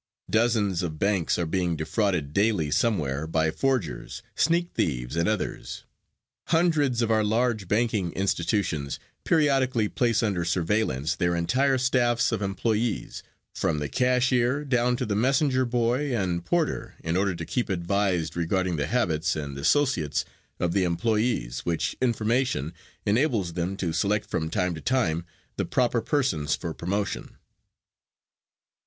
Dozens of banks are being defrauded daily somewhere by forgers, sneak thieves and others. Hundreds of our large banking institutions periodically place under surveillance their entire staffs of employees, from the cashier down to the messenger boy and porter in order to keep advised regarding the habits and associates of the employees, which information enables them to select from time to time the proper persons for promotion.